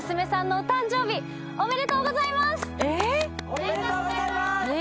おめでとうございます。